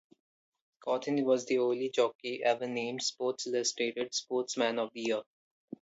Cauthen was the only jockey ever named "Sports Illustrated" Sportsman of the Year.